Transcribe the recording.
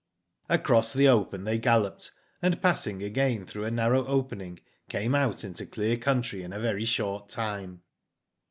" Across the open they galloped, and passing again through a narrow opening came out into clear country in a very short time.